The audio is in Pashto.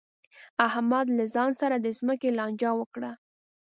احمد له خان سره د ځمکې لانجه وکړه.